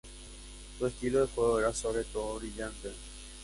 Su estilo de juego era sobre todo brillante.